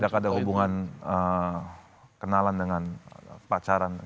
tidak ada hubungan kenalan dengan pacaran